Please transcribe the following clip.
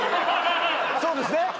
そうですね？